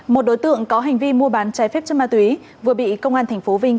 một đối tượng có hành vi mua bán chai phép cho ma túy vừa bị công an tp vinh